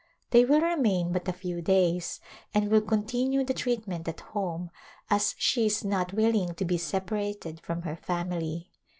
They will remain but a ^tt^^ days and will continue the treatment at home as she is not willing to be separated from her family.